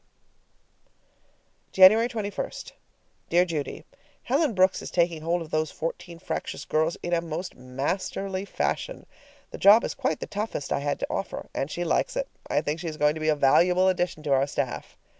S. January 21. Dear Judy: Helen Brooks is taking hold of those fourteen fractious girls in a most masterly fashion. The job is quite the toughest I had to offer, and she likes it. I think she is going to be a valuable addition to our staff.